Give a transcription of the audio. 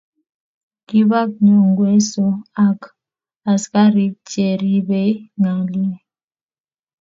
Kibak Nyongweso ak askariik che ribei kalyee.